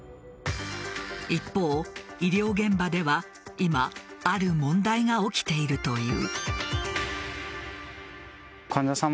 一方、医療現場では今、ある問題が起きているという。